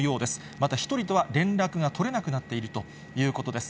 また１人とは連絡が取れなくなっているということです。